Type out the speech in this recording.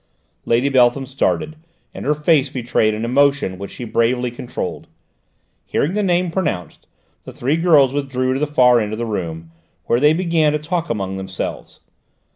Lady Beltham started, and her face betrayed an emotion which she bravely controlled. Hearing the name pronounced, the three girls withdrew to the far end of the room, where they began to talk among themselves.